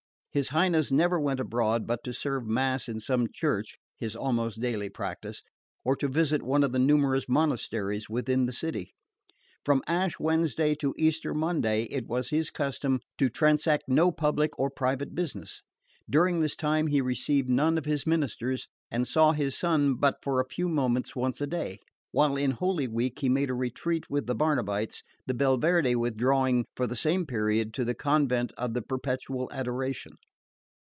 His Highness never went abroad but to serve mass in some church (his almost daily practice) or to visit one of the numerous monasteries within the city. From Ash Wednesday to Easter Monday it was his custom to transact no public or private business. During this time he received none of his ministers, and saw his son but for a few moments once a day; while in Holy Week he made a retreat with the Barnabites, the Belverde withdrawing for the same period to the convent of the Perpetual Adoration.